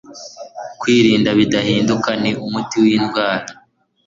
Kwirinda Bidahinduka ni Umuti w’Indwara